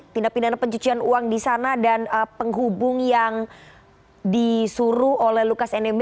tindak pidana pencucian uang di sana dan penghubung yang disuruh oleh lukas nmb